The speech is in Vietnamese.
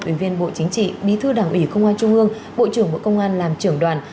ủy viên bộ chính trị bí thư đảng ủy công an trung ương bộ trưởng bộ công an làm trưởng đoàn